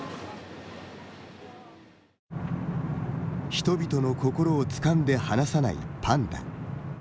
人々の心をつかんで離さないパンダ。